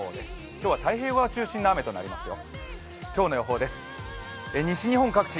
今日は太平洋側中心の雨となりますよ。